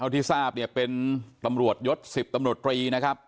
ที่ทราบเนี่ยเป็นตำรวจยศ๑๐ตำรวจตรีนะครับ